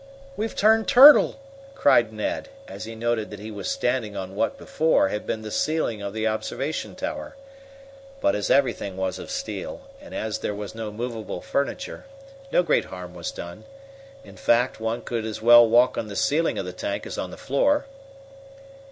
"We've turned turtle!" cried Ned, as he noted that he was standing on what, before, had been the ceiling of the observation tower. But as everything was of steel, and as there was no movable furniture, no great harm was done. In fact, one could as well walk on the ceiling of the tank as on the floor.